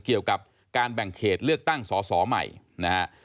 เกี่ยวกับการแบ่งเขตเลือกตั้งสอสอใหม่นะฮะ